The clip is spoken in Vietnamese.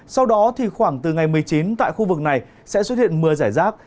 sau đó khoảng từ ngày một mươi chín tại khu vực này sẽ xuất hiện mưa giải rác